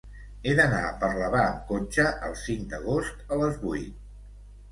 He d'anar a Parlavà amb cotxe el cinc d'agost a les vuit.